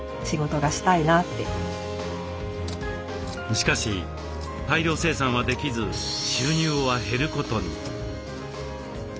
しかし大量生産はできず収入は減ることに。